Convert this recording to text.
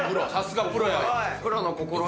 プロの心得。